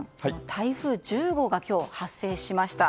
台風１０号が今日、発生しました。